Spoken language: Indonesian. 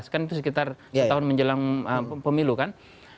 kan itu sekitar setahun menjelang pemilu kan